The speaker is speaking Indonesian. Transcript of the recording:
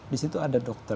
di situ ada dokter